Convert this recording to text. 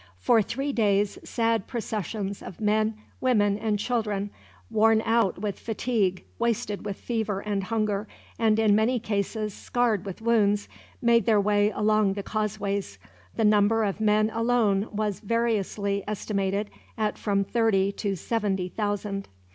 For three days sad processions of men, women, and children worn out with fatigue, wasted with fever and hunger, and in many cases scarred with wounds made their way along the causeways. The number of men, alone, was variously estimated at from thirty to seventy thousand.